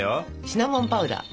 シナモンパウダー。